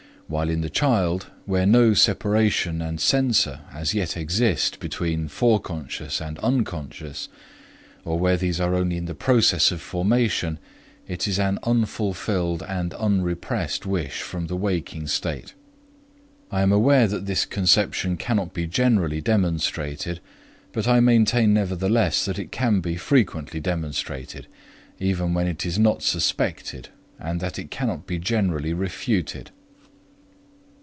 while in the child, where no separation and censor as yet exist between Forec. and Unc., or where these are only in the process of formation, it is an unfulfilled and unrepressed wish from the waking state. I am aware that this conception cannot be generally demonstrated, but I maintain nevertheless that it can be frequently demonstrated, even when it was not suspected, and that it cannot be generally refuted.